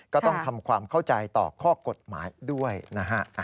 ก็ต้องทำความเข้าใจต่อข้อกฎหมายด้วยนะฮะ